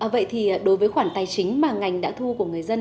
vậy thì đối với khoản tài chính mà ngành đã thu của người dân